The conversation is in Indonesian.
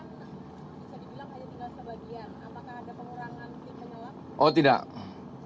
bisa dibilang hanya tinggal sebagian